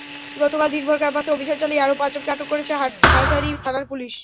গতকাল দিনভর ক্যাম্পাসে অভিযান চালিয়ে আরও পাঁচজনকে আটক করেছে হাটহাজারী থানার পুলিশ।